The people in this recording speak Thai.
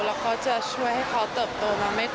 แล้วก็จะช่วยให้เขาเติบโตมา